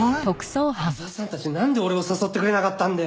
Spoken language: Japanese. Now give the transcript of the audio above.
矢沢さんたちなんで俺を誘ってくれなかったんだよ。